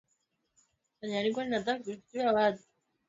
utahitaji Kikombe moja chaUnga wa ngano wa kuchanganya na unga wa vizi lishe